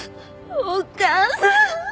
お母さーん！